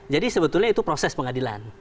jadi sebetulnya itu proses pengadilan